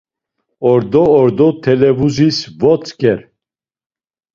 Ordo ordo televuzis votzǩer.